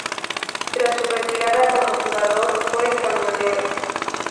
Tras su retirada como jugador fue camionero.